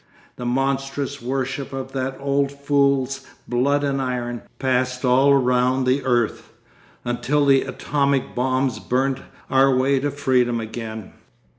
The monstrous worship of that old fool's "blood and iron" passed all round the earth. Until the atomic bombs burnt our way to freedom again....